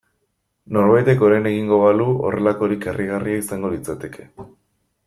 Norbaitek orain egingo balu horrelakorik harrigarria izango litzateke.